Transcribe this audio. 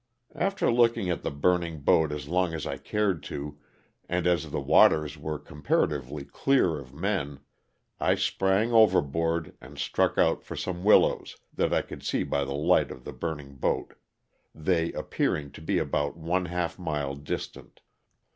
'* After looking at the burning boat as long as I cared to, and as the waters were comparatively clear of men, I sprang overboard and struck out for some willows that I could see by the light of the burning boat, they appearing to be about one half mile distant.